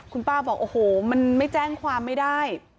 คุณป้าบอกโอ้โหมันไม่แจ้งความไม่ได้